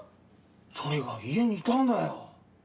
それが家にいたんだよ。